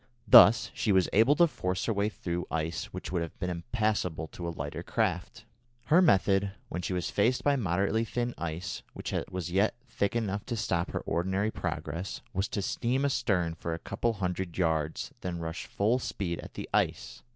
Thus she was able to force her way through ice which would have been impassable to a lighter craft. Her method, when she was faced by moderately thin ice which was yet thick enough to stop her ordinary progress, was to steam astern for a couple of hundred yards and then rush full speed at the ice.